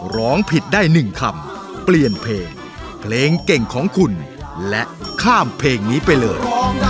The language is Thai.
ร้องผิดได้๑คำเปลี่ยนเพลงเพลงเก่งของคุณและข้ามเพลงนี้ไปเลย